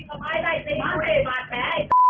โอ้โหยิงกล้องได้ใหม่ครับ